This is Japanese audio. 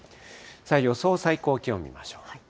予想最高気温見ましょう。